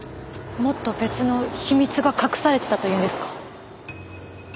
もっと別の秘密が隠されていたというんですか？